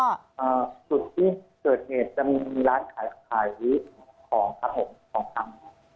จุดที่เกิดเหตุจะมีร้านขายของครับผม